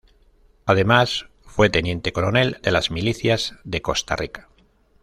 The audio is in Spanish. Además fue teniente coronel de las milicias de Costa Rica.